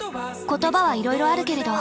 言葉はいろいろあるけれど。